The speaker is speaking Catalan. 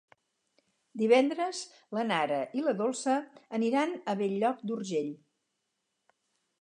Divendres na Nara i na Dolça aniran a Bell-lloc d'Urgell.